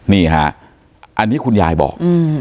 นี่ฮะอันนี้คุณยายบอก